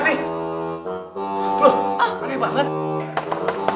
kok kamu gak kenapa kenapa